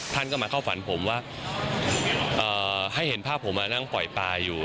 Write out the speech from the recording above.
ท่านก็มาเข้าฝันผมว่าให้เห็นภาพผมมานั่งปล่อยปลาอยู่